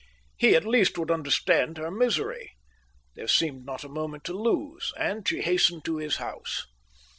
He, at least, would understand her misery. There seemed not a moment to lose, and she hastened to his house.